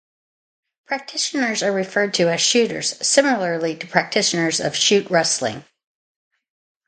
Practitioners are referred to as shooters, similarly to practitioners of shoot wrestling.